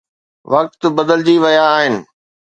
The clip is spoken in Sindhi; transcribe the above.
وقت بدلجي ويا آهن.